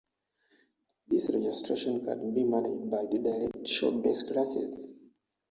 This registration can be managed by the DirectShow Base Classes.